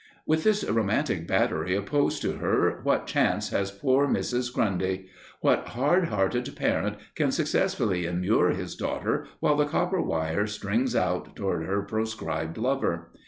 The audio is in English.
With this romantic battery opposed to her, what chance has poor Mrs. Grundy? What hard hearted parent can successfully immure his daughter while the copper wire strings out toward her proscribed lover?